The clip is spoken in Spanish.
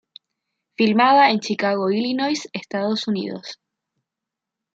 Filmada en Chicago, Illinois, Estados Unidos.